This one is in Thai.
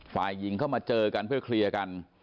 ฝ่ายหญิงเข้ามาเจอกันเพื่อเคลียร์กัน